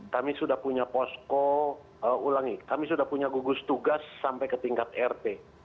kami sudah punya posko ulangi kami sudah punya gugus tugas sampai ke tingkat rt